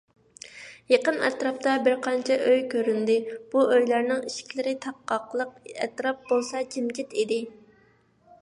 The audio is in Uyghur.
يېقىن ئەتراپتا بىرقانچە ئۆي كۆرۈندى، بۇ ئۆيلەرنىڭ ئىشىكلىرى تاقاقلىق، ئەتراپ بولسا جىمجىت ئىدى.